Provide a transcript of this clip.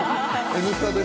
「Ｎスタ」です。